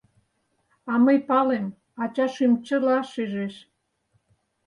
А мый палем, ача шӱм чыла шижеш.